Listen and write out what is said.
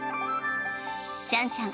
シャンシャン